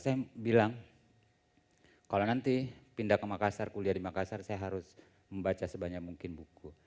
saya bilang kalau nanti pindah ke makassar kuliah di makassar saya harus membaca sebanyak mungkin buku